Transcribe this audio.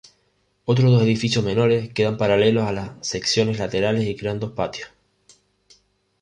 Otros dos edificios menores quedan paralelos a las secciones laterales y crean dos patios.